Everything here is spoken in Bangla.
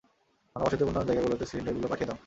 ঘনবসতিপূর্ণ জায়গাগুলোতে সিলিন্ডারগুলো পাঠিয়ে দাও।